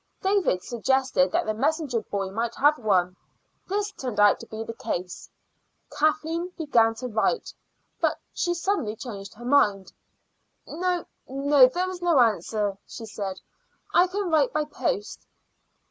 David suggested that the messenger boy might have one. This turned out to be the case. Kathleen began to write, but she suddenly changed her mind. "No, no; there is no answer," she said. "I can write by post."